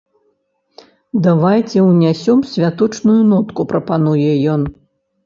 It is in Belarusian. Давайце ўнясём святочную нотку, прапануе ён.